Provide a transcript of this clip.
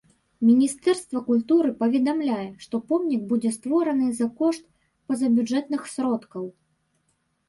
Міністэрства культуры паведамляе, што помнік будзе створаны за кошт пазабюджэтных сродкаў.